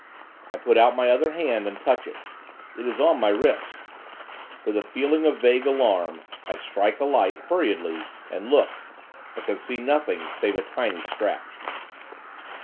I put out my other hand, and touch it. It is on my wrist. With a feeling of vague alarm, I strike a light, hurriedly, and look; but can see nothing, save a tiny scratch.